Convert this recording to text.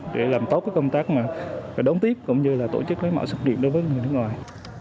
để làm tốt cái công tác mà đón tiếp cũng như là tổ chức lấy mẫu xét nghiệm đối với người nước ngoài